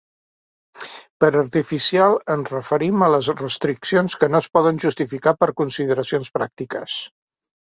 Per artificial ens referim a les restriccions que no es poden justificar per consideracions pràctiques.